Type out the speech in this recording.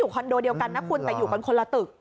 คอนโดเดียวกันนะคุณแต่อยู่กันคนละตึก